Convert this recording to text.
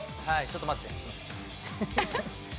ちょっと待って。